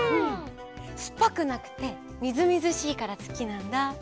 すっぱくなくてみずみずしいからすきなんだ。